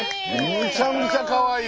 むちゃむちゃかわいい。